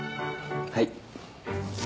はい。